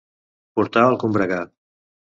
Portar el combregar.